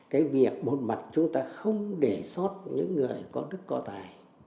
cái việc một mặt chúng ta không để sót những người có đức có tài